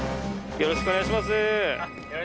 よろしくお願いします。